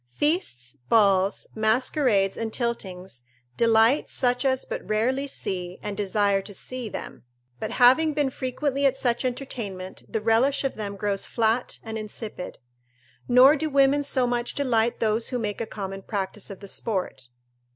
Feasts, balls, masquerades and tiltings delight such as but rarely see, and desire to see, them; but having been frequently at such entertainments, the relish of them grows flat and insipid. Nor do women so much delight those who make a common practice of the sport.